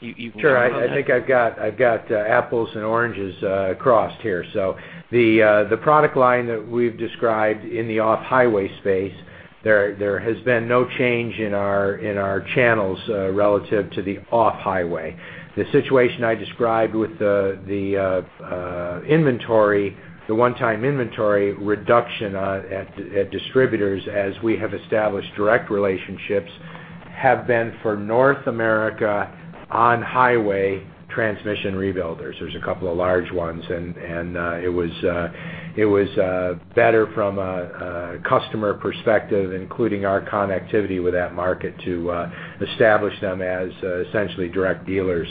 you want? Sure. I think I've got, I've got, apples and oranges, crossed here. So the, the product line that we've described in the off-highway space, there, there has been no change in our, in our channels, relative to the off-highway. The situation I described with the, the, inventory, the one-time inventory reduction, at, at distributors, as we have established direct relationships, have been for North America on-highway transmission rebuilders. There's a couple of large ones, and, and, it was, it was, better from a, a customer perspective, including our connectivity with that market, to, establish them as, essentially direct dealers,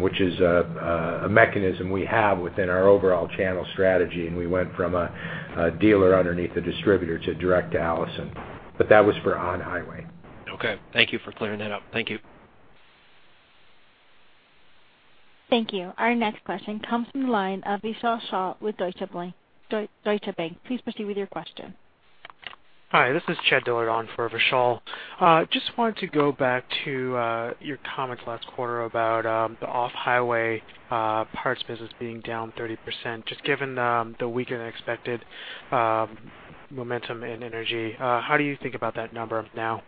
which is a, a mechanism we have within our overall channel strategy, and we went from a, a dealer underneath a distributor to direct to Allison. But that was for on-highway. Okay. Thank you for clearing that up. Thank you. Thank you. Our next question comes from the line of Vishal Shah with Deutsche Bank. Please proceed with your question. Hi, this is Chad Dillard on for Vishal. Just wanted to go back to your comments last quarter about the off-highway parts business being down 30%. Just given the weaker-than-expected momentum in energy, how do you think about that number now?...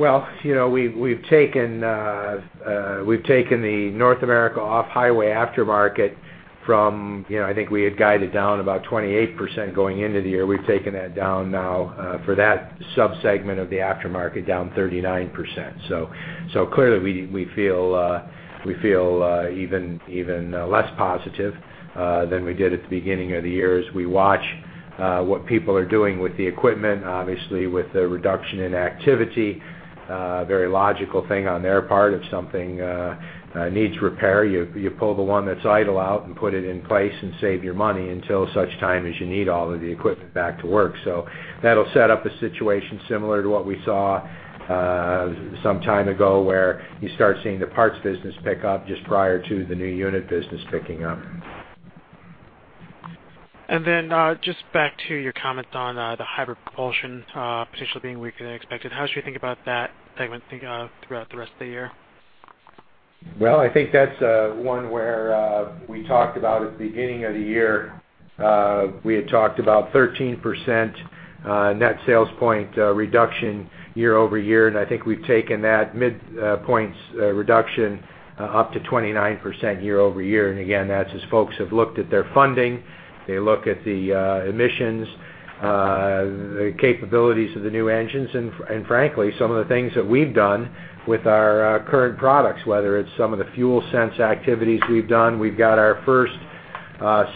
Well, you know, we've taken the North America off-highway aftermarket from, you know, I think we had guided down about 28% going into the year. We've taken that down now for that sub-segment of the aftermarket, down 39%. So clearly, we feel even less positive than we did at the beginning of the year as we watch what people are doing with the equipment. Obviously, with the reduction in activity, very logical thing on their part. If something needs repair, you pull the one that's idle out and put it in place and save your money until such time as you need all of the equipment back to work. That'll set up a situation similar to what we saw some time ago, where you start seeing the parts business pick up just prior to the new unit business picking up. Just back to your comments on the hybrid propulsion potentially being weaker than expected. How should we think about that segment throughout the rest of the year? Well, I think that's one where we talked about at the beginning of the year. We had talked about 13% net sales point reduction year-over-year, and I think we've taken that midpoint reduction up to 29% year-over-year. And again, that's as folks have looked at their funding, they look at the emissions, the capabilities of the new engines, and frankly, some of the things that we've done with our current products, whether it's some of the FuelSense activities we've done. We've got our first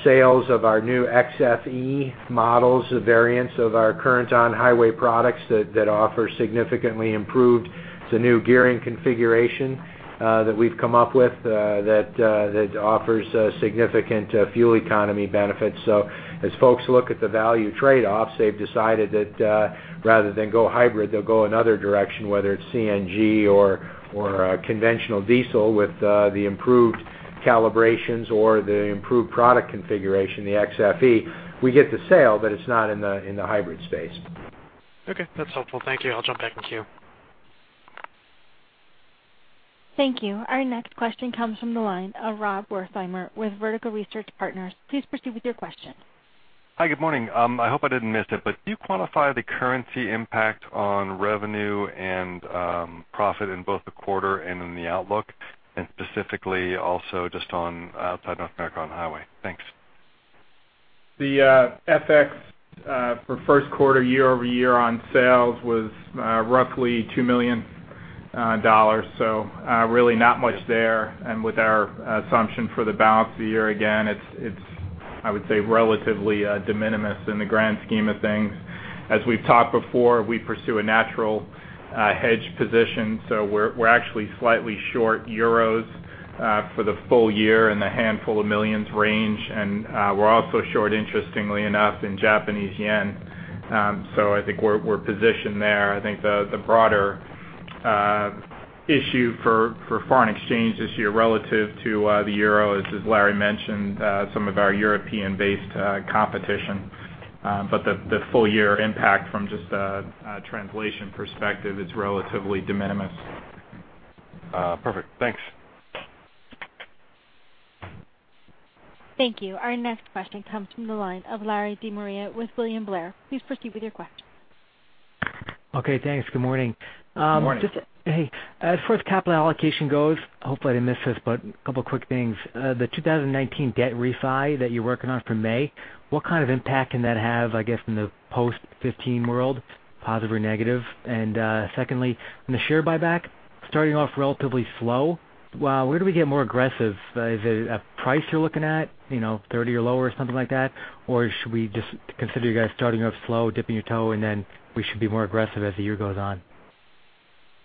sales of our new xFE models, the variants of our current on-highway products that offer significantly improved. It's a new gearing configuration that we've come up with that offers significant fuel economy benefits. So as folks look at the value trade-offs, they've decided that, rather than go hybrid, they'll go another direction, whether it's CNG or conventional diesel with the improved calibrations or the improved product configuration, the xFE. We get the sale, but it's not in the hybrid space. Okay, that's helpful. Thank you. I'll jump back in queue. Thank you. Our next question comes from the line of Rob Wertheimer with Vertical Research Partners. Please proceed with your question. Hi, good morning. I hope I didn't miss it, but can you quantify the currency impact on revenue and profit in both the quarter and in the outlook, and specifically also just on outside North America on-highway? Thanks. The FX for first quarter year-over-year on sales was roughly $2 million, so really not much there. And with our assumption for the balance of the year, again, it's, it's, I would say, relatively de minimis in the grand scheme of things. As we've talked before, we pursue a natural hedge position, so we're, we're actually slightly short euros for the full year in the handful of millions range. And we're also short, interestingly enough, in Japanese yen. So I think we're, we're positioned there. I think the broader issue for foreign exchange this year relative to the euro is, as Larry mentioned, some of our European-based competition, but the full year impact from just a translation perspective is relatively de minimis. Perfect. Thanks. Thank you. Our next question comes from the line of Larry DeMaria with William Blair. Please proceed with your question. Okay, thanks. Good morning. Good morning. Just, hey, as far as capital allocation goes, hopefully, I didn't miss this, but a couple quick things. The 2019 debt refi that you're working on for May, what kind of impact can that have, I guess, in the post-2015 world, positive or negative? And, secondly, on the share buyback, starting off relatively slow, well, where do we get more aggressive? Is it a price you're looking at, you know, 30 or lower or something like that? Or should we just consider you guys starting off slow, dipping your toe, and then we should be more aggressive as the year goes on?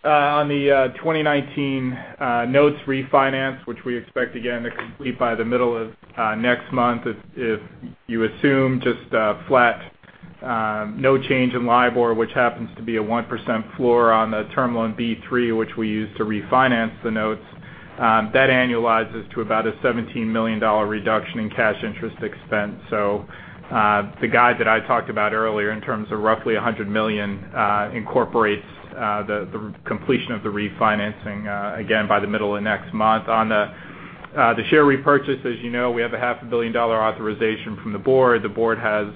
On the 2019 notes refinance, which we expect, again, to complete by the middle of next month, if you assume just a flat no change in LIBOR, which happens to be a 1% floor on the Term Loan B-3, which we use to refinance the notes, that annualizes to about a $17 million reduction in cash interest expense. So, the guide that I talked about earlier, in terms of roughly $100 million, incorporates the completion of the refinancing, again, by the middle of next month. On the share repurchase, as you know, we have a $500 million authorization from the board. The board has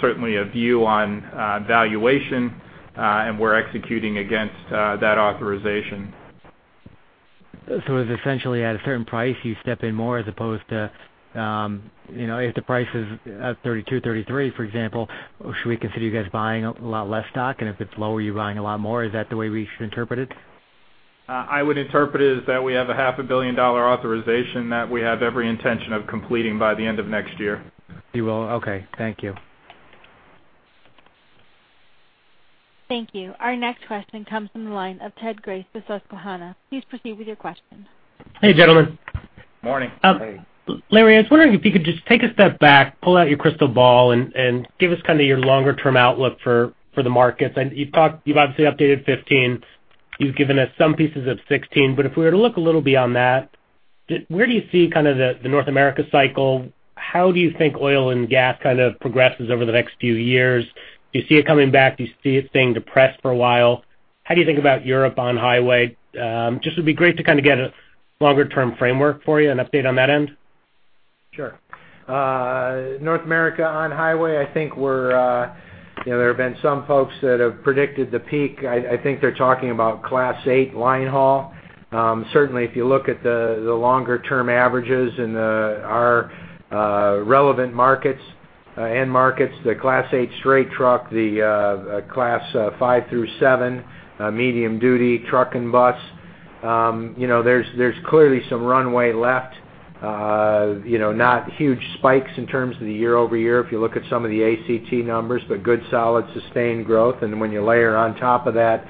certainly a view on valuation, and we're executing against that authorization. So essentially, at a certain price, you step in more as opposed to, you know, if the price is at $32, $33, for example, should we consider you guys buying a lot less stock? And if it's lower, you're buying a lot more. Is that the way we should interpret it? I would interpret it as that we have a $500 million authorization that we have every intention of completing by the end of next year. You will. Okay, thank you. Thank you. Our next question comes from the line of Ted Grace with Susquehanna. Please proceed with your question. Hey, gentlemen. Morning. Hey. Larry, I was wondering if you could just take a step back, pull out your crystal ball, and give us kind of your longer-term outlook for the markets. And you've talked—you've obviously updated 2015. You've given us some pieces of 2016, but if we were to look a little beyond that, where do you see kind of the North America cycle? How do you think oil and gas kind of progresses over the next few years? Do you see it coming back? Do you see it staying depressed for a while? How do you think about Europe on-highway? Just would be great to kind of get a longer-term framework for you, an update on that end? ... Sure. North America on-highway, I think we're, you know, there have been some folks that have predicted the peak. I think they're talking about Class 8 line haul. Certainly, if you look at the longer-term averages in our relevant markets, end markets, the Class 8 straight truck, the Class 5 through 7 medium-duty truck and bus, you know, there's clearly some runway left, you know, not huge spikes in terms of the year-over-year, if you look at some of the ACT numbers, but good, solid, sustained growth. And when you layer on top of that,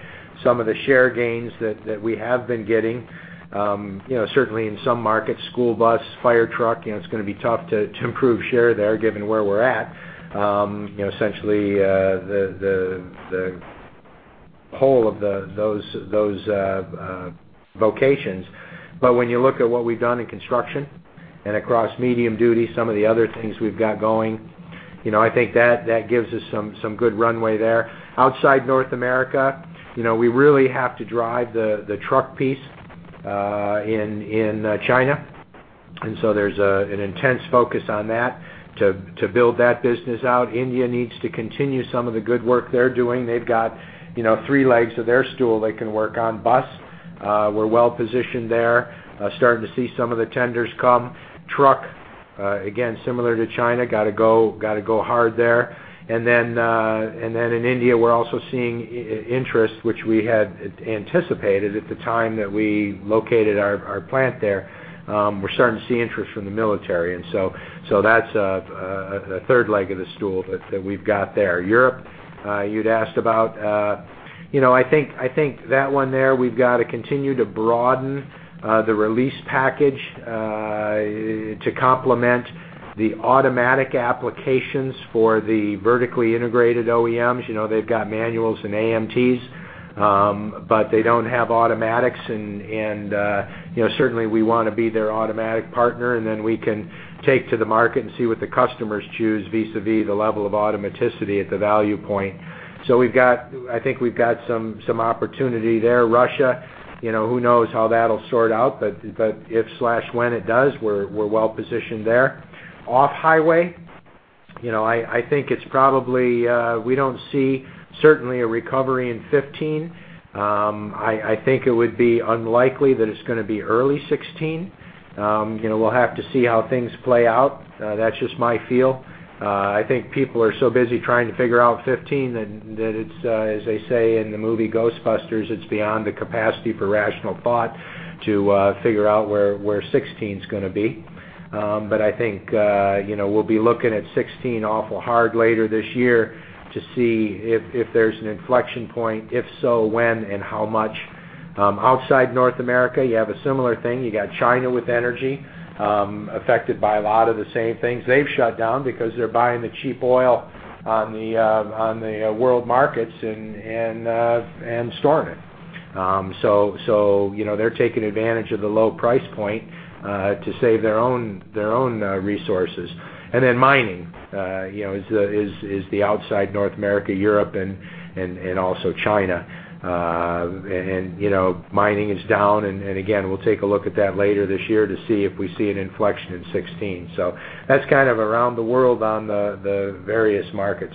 some of the share gains that we have been getting, you know, certainly in some markets, school bus, fire truck, you know, it's gonna be tough to improve share there, given where we're at. You know, essentially, the whole of those vocations. But when you look at what we've done in construction and across medium duty, some of the other things we've got going, you know, I think that gives us some good runway there. Outside North America, you know, we really have to drive the truck piece in China. And so there's an intense focus on that to build that business out. India needs to continue some of the good work they're doing. They've got, you know, three legs of their stool they can work on. Bus, we're well positioned there, starting to see some of the tenders come. Truck, again, similar to China, gotta go hard there. And then in India, we're also seeing interest, which we had anticipated at the time that we located our plant there. We're starting to see interest from the military, and so that's a third leg of the stool that we've got there. Europe, you'd asked about, you know, I think that one there, we've got to continue to broaden the release package to complement the automatic applications for the vertically integrated OEMs. You know, they've got manuals and AMTs, but they don't have automatics, and you know, certainly we wanna be their automatic partner, and then we can take to the market and see what the customers choose vis-a-vis the level of automaticity at the value point. So we've got. I think we've got some opportunity there. Russia, you know, who knows how that'll sort out, but if when it does, we're well positioned there. Off-highway, you know, I think it's probably we certainly don't see a recovery in 2015. I think it would be unlikely that it's gonna be early 2016. You know, we'll have to see how things play out. That's just my feel. I think people are so busy trying to figure out 2015 than that it's as they say in the movie, Ghostbusters, it's beyond the capacity for rational thought to figure out where 2016's gonna be. But I think, you know, we'll be looking at 2016 awful hard later this year to see if there's an inflection point, if so, when and how much. Outside North America, you have a similar thing. You got China with energy, affected by a lot of the same things. They've shut down because they're buying the cheap oil on the world markets and storing it. So, you know, they're taking advantage of the low price point to save their own resources. And then mining, you know, is outside North America, Europe, and also China. And, you know, mining is down, and again, we'll take a look at that later this year to see if we see an inflection in 2016. So that's kind of around the world on the various markets.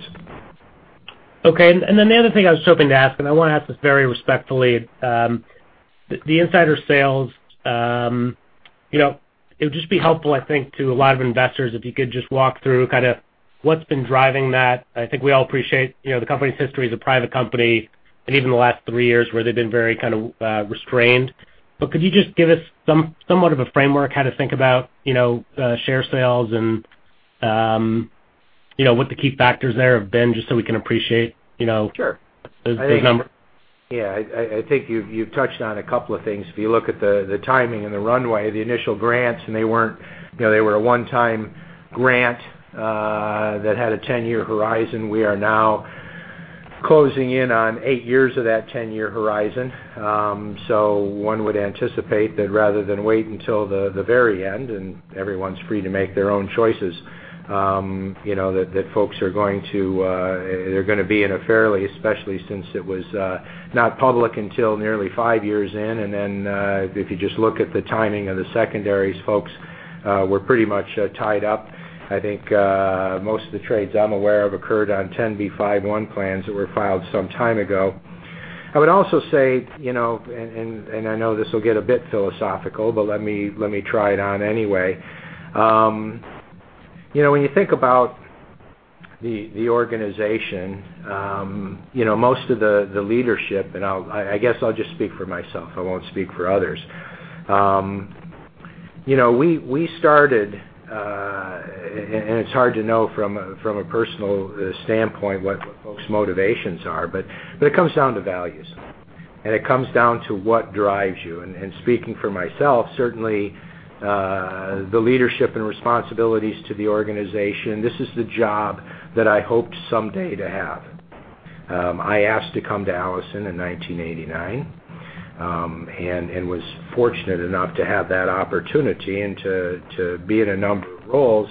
Okay. And, and then the other thing I was hoping to ask, and I wanna ask this very respectfully, the insider sales, you know, it would just be helpful, I think, to a lot of investors, if you could just walk through kind of what's been driving that. I think we all appreciate, you know, the company's history as a private company, and even the last three years, where they've been very kind of, restrained. But could you just give us somewhat of a framework, how to think about, you know, share sales and, you know, what the key factors there have been, just so we can appreciate, you know- Sure. Those, those numbers. Yeah, I think you've touched on a couple of things. If you look at the timing and the runway, the initial grants, and they weren't... You know, they were a one-time grant that had a 10-year horizon. We are now closing in on eight years of that 10-year horizon. So one would anticipate that rather than wait until the very end, and everyone's free to make their own choices, you know, that folks are going to, they're gonna be in a fairly, especially since it was not public until nearly five years in, and then, if you just look at the timing of the secondaries, folks were pretty much tied up. I think most of the trades I'm aware of occurred on 10b5-1 plans that were filed some time ago. I would also say, you know, I know this will get a bit philosophical, but let me try it on anyway. You know, when you think about the organization, you know, most of the leadership, and I guess I'll just speak for myself. I won't speak for others. You know, we started, and it's hard to know from a personal standpoint, what folks' motivations are, but it comes down to values, and it comes down to what drives you. Speaking for myself, certainly, the leadership and responsibilities to the organization, this is the job that I hoped someday to have. I asked to come to Allison in 1989, and was fortunate enough to have that opportunity and to be in a number of roles....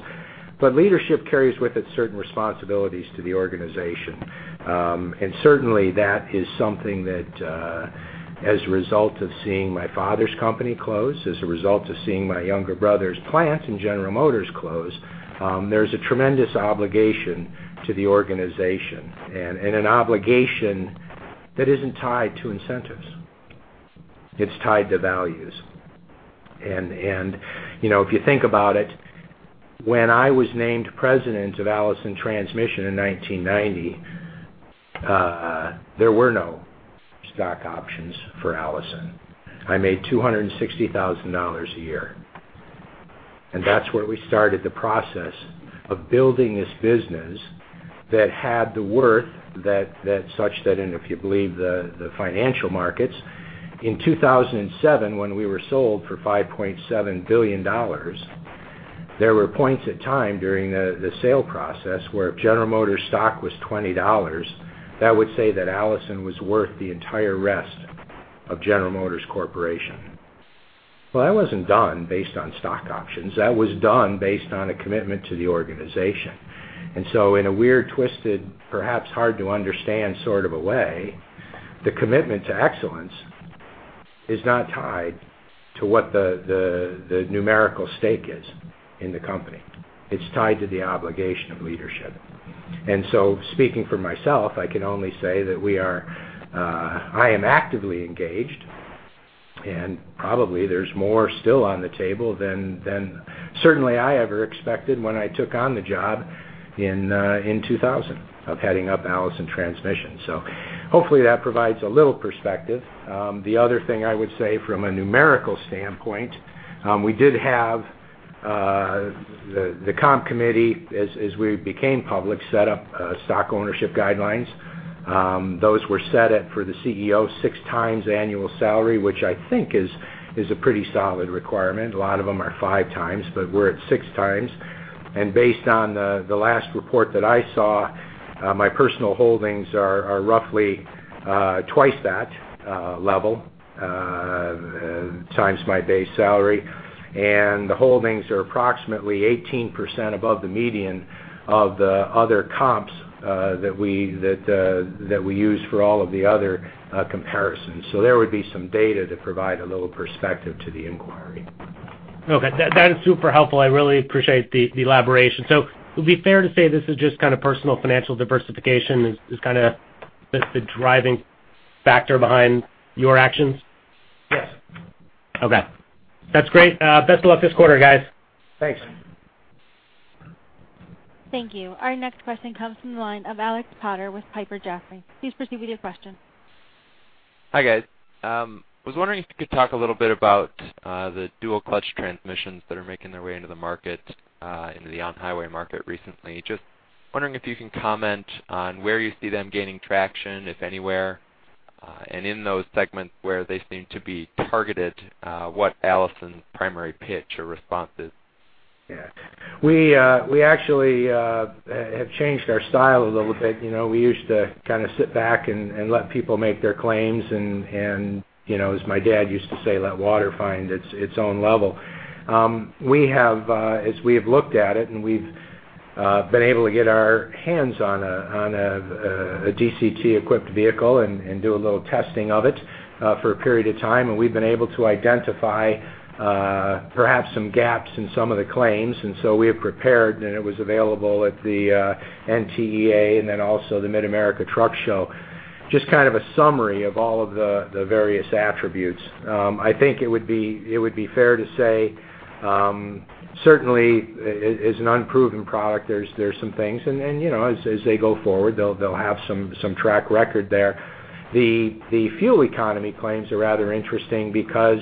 But leadership carries with it certain responsibilities to the organization. And certainly, that is something that, as a result of seeing my father's company close, as a result of seeing my younger brother's plant in General Motors close, there's a tremendous obligation to the organization, and, and, an obligation that isn't tied to incentives. It's tied to values. And, and, you know, if you think about it, when I was named President of Allison Transmission in 1990, there were no stock options for Allison. I made $260,000 a year, and that's where we started the process of building this business that had the worth such that, and if you believe the financial markets, in 2007, when we were sold for $5.7 billion, there were points in time during the sale process where if General Motors stock was $20, that would say that Allison was worth the entire rest of General Motors Corporation. Well, that wasn't done based on stock options. That was done based on a commitment to the organization. And so in a weird, twisted, perhaps hard-to-understand sort of a way, the commitment to excellence is not tied to what the numerical stake is in the company. It's tied to the obligation of leadership. So speaking for myself, I can only say that we are, I am actively engaged, and probably there's more still on the table than certainly I ever expected when I took on the job in 2000 of heading up Allison Transmission. So hopefully that provides a little perspective. The other thing I would say from a numerical standpoint, we did have the comp committee, as we became public, set up stock ownership guidelines. Those were set at, for the CEO, 6x annual salary, which I think is a pretty solid requirement. A lot of them are 5x, but we're at 6x. Based on the last report that I saw, my personal holdings are roughly twice that level times my base salary, and the holdings are approximately 18% above the median of the other comps that we use for all of the other comparisons. So there would be some data to provide a little perspective to the inquiry. Okay, that is super helpful. I really appreciate the elaboration. So it'll be fair to say this is just kind of personal financial diversification is kind of the driving factor behind your actions? Yes. Okay. That's great. Best of luck this quarter, guys. Thanks. Thank you. Our next question comes from the line of Alex Potter with Piper Jaffray. Please proceed with your question. Hi, guys. I was wondering if you could talk a little bit about the dual clutch transmissions that are making their way into the market into the on-highway market recently. Just wondering if you can comment on where you see them gaining traction, if anywhere, and in those segments where they seem to be targeted, what Allison's primary pitch or response is? Yeah. We actually have changed our style a little bit. You know, we used to kind of sit back and let people make their claims and, you know, as my dad used to say, "Let water find its own level." We have, as we have looked at it, and we've been able to get our hands on a DCT-equipped vehicle and do a little testing of it for a period of time, and we've been able to identify perhaps some gaps in some of the claims. And so we have prepared, and it was available at the NTEA and then also the Mid-America Truck Show, just kind of a summary of all of the various attributes. I think it would be fair to say, certainly as an unproven product, there's some things, and then, you know, as they go forward, they'll have some track record there. The fuel economy claims are rather interesting because,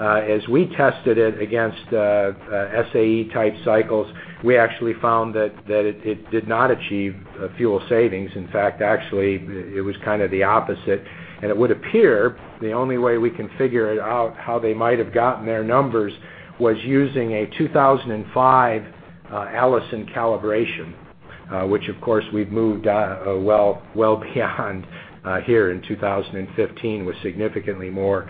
as we tested it against SAE-type cycles, we actually found that it did not achieve fuel savings. In fact, actually, it was kind of the opposite. It would appear the only way we can figure it out, how they might have gotten their numbers, was using a 2005 Allison calibration, which, of course, we've moved on, well, well beyond, here in 2015, with significantly more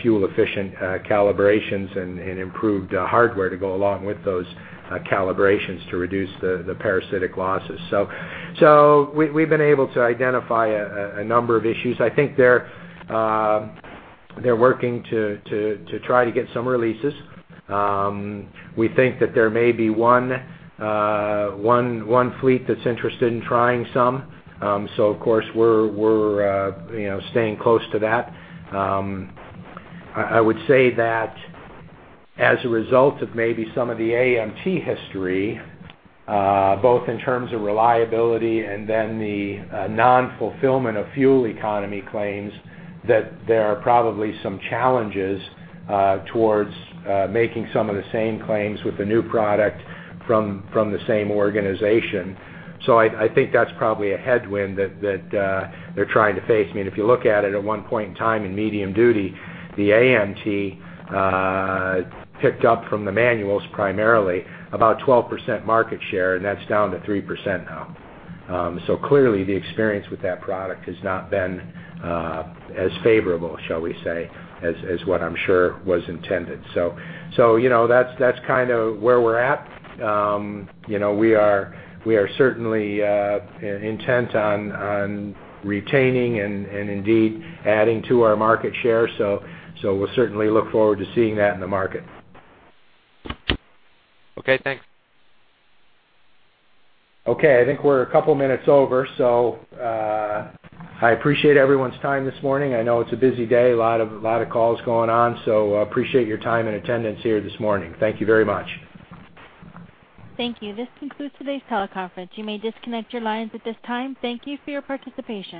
fuel-efficient calibrations and, and improved hardware to go along with those calibrations to reduce the parasitic losses. So, so we, we've been able to identify a number of issues. I think they're working to try to get some releases. We think that there may be one fleet that's interested in trying some, so of course, we're, we're, you know, staying close to that. I would say that as a result of maybe some of the AMT history, both in terms of reliability and then the non-fulfillment of fuel economy claims, that there are probably some challenges towards making some of the same claims with the new product from the same organization. So I think that's probably a headwind that they're trying to face. I mean, if you look at it at one point in time, in medium duty, the AMT picked up from the manuals, primarily, about 12% market share, and that's down to 3% now. So clearly, the experience with that product has not been as favorable, shall we say, as what I'm sure was intended. So you know, that's kind of where we're at. You know, we are certainly intent on retaining and indeed adding to our market share. So we'll certainly look forward to seeing that in the market. Okay, thanks. Okay, I think we're a couple minutes over, so, I appreciate everyone's time this morning. I know it's a busy day, a lot of, lot of calls going on, so I appreciate your time and attendance here this morning. Thank you very much. Thank you. This concludes today's teleconference. You may disconnect your lines at this time. Thank you for your participation.